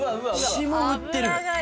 霜降ってる。